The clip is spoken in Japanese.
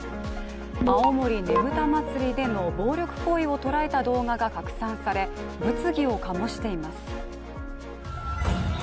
青森ねぶた祭での暴力行為を捉えた動画が拡散され、物議を醸しています。